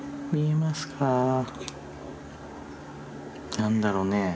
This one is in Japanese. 何だろうね。